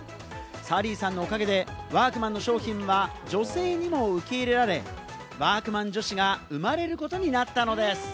サリーさんのおかげでワークマンの商品は女性にも受け入れられ、「＃ワークマン女子」が生まれることになったのです。